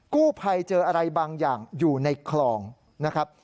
กู้ภัยเจออะไรบางอย่างอยู่ในคลองนะครับ